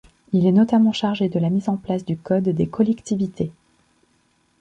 Il est notamment chargé de la mise en place du Code des collectivités.